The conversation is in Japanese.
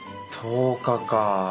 １０日か。